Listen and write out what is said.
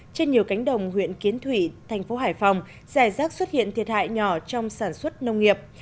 trên nhiều cánh đồng huyện kiến thủy thành phố hải phòng giải rác xuất hiện thiệt hại nhỏ trong sản xuất nông nghiệp